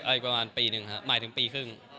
อีกประมาณปีหนึ่งครับหมายถึงปีครึ่ง